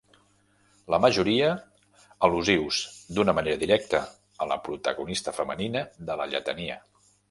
La majoria al·lusius d'una manera directa a la protagonista femenina de la lletania.